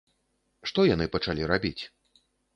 Што яны пачалі рабіць?